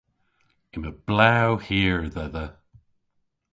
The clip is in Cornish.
Yma blew hir dhedha.